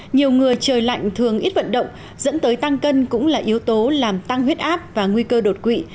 nhiều người trời lạnh thường ít vận động dẫn tới tăng cân cũng là yếu tố làm tăng huyết áp và nguy cơ đột quỵ